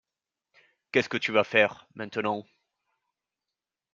Qu’est-ce que tu vas faire, maintenant?